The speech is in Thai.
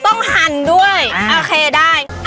ต้องหั่นด้วยโอเคได้